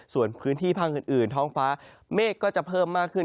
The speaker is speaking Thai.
ส่วนพื้นที่ภาคอื่นท้องฟ้าเมฆก็จะเพิ่มมากขึ้น